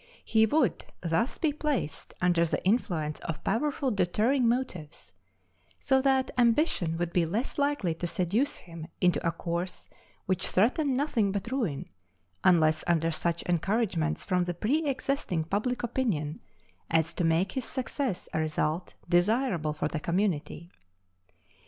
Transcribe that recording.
He would thus be placed under the influence of powerful deterring motives; so that ambition would be less likely to seduce him into a course which threatened nothing but ruin, unless under such encouragements from the preëxisting public opinion as to make his success a result desirable for the community.